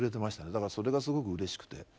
だからそれがすごくうれしくて。